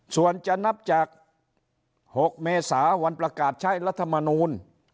ส่วนจะนับจาก๖เมษาวันประกาศใช้รัฐมนูล